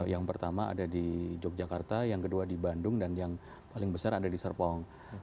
yang pertama ada di yogyakarta yang kedua di bandung dan yang paling besar ada di serpong